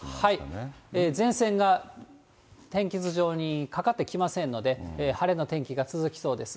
前線が天気図上にかかってきませんので、晴れの天気が続きそうです。